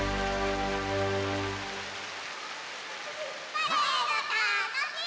パレードたのしい！